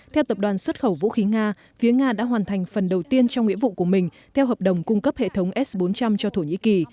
theo tập đoàn xuất khẩu vũ khí nga phía nga đã hoàn thành phần đầu tiên trong nghĩa vụ của mình theo hợp đồng cung cấp hệ thống s bốn trăm linh cho thổ nhĩ kỳ